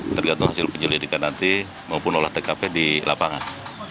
tergantung hasil penyelidikan nanti maupun olah tkp di lapangan